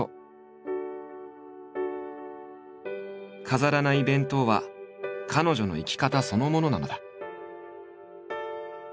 飾らない弁当は彼女の生き方そのものなのだ。